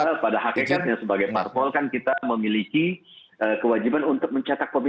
karena memang kita pada hakikatnya sebagai parpol kan kita memiliki kewajiban untuk mencetak pemimpin